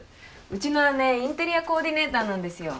うちの姉インテリアコーディネーターなんですよ。